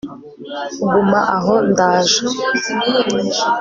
guma aho ndaje